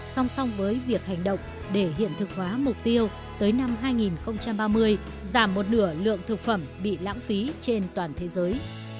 song song với việc hành động để hiện thực hóa mục tiêu tới năm hai nghìn ba mươi giảm một nửa lượng thực phẩm bị lãng phí trên toàn thế giới